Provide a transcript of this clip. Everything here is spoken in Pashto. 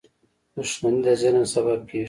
• دښمني د ظلم سبب کېږي.